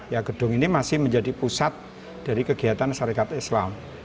ya gedung ini masih menjadi pusat dari kegiatan syarikat islam